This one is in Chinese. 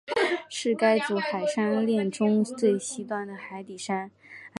是该组海山炼中最西端的海底山。